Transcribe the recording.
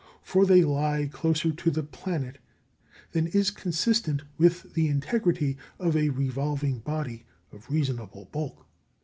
For they lie closer to the planet than is consistent with the integrity of a revolving body of reasonable bulk.